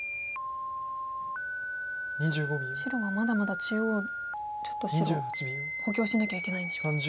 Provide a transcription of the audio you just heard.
白はまだまだ中央ちょっと白を補強しなきゃいけないんでしょうか。